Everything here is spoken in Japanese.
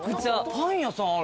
パン屋さんある。